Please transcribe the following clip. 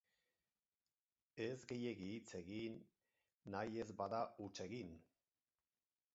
Ez gehiegi hitz egin, nahi ez bada huts egin.